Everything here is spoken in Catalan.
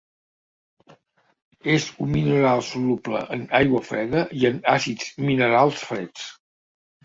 És un mineral soluble en aigua freda i en àcids minerals freds.